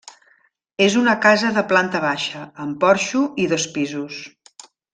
És una casa de planta baixa, amb porxo, i dos pisos.